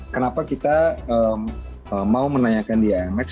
kenapa kita mau menanyakan di imx